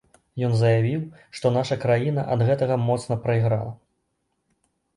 Ён заявіў, што наша краіна ад гэтага моцна прайграла.